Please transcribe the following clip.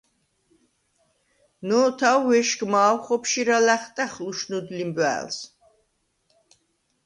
ნო̄თა̄უ̂ უ̂ეშგმა̄უ̂ ხოფშირა ლა̈ხტა̈ხ, ლუშნუდ ლიმბუ̂ა̄̈ლს!